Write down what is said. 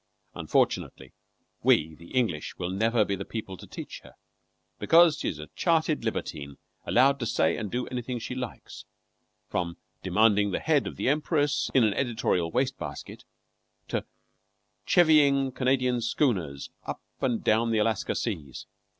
Unfortunately we, the English, will never be the people to teach her; because she is a chartered libertine allowed to say and do anything she likes, from demanding the head of the empress in an editorial waste basket, to chevying Canadian schooners up and down the Alaska Seas.